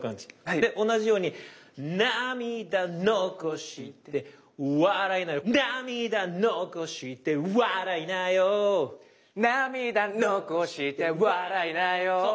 で同じように「涙残して笑いなよ」。「涙残して笑いなよ」「涙残して笑いなよ」そう。